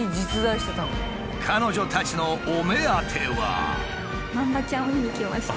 彼女たちのお目当ては。